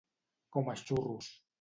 Com a xurros.